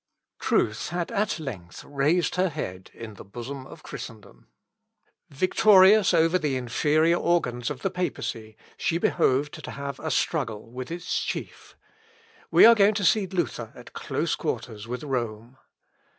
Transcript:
Truth had at length raised her head in the bosom of Christendom. Victorious over the inferior organs of the papacy, she behoved to have a struggle with its chief. We are going to see Luther at close quarters with Rome.